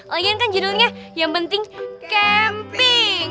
lagian kan judulnya yang penting camping